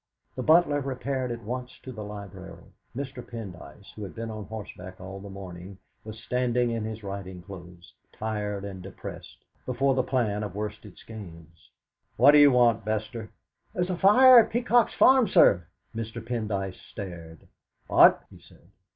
The butler repaired at once to the library. Mr. Pendyce, who had been on horseback all the morning, was standing in his riding clothes, tired and depressed, before the plan of Worsted Skeynes. "What do you want, Bester?" "There is a fire at Peacock's farm, sir." Mr. Pendyce stared. "What?" he said.